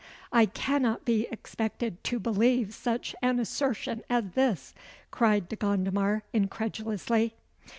"I cannot be expected to believe such an assertion as this," cried De Gondomar incredulously.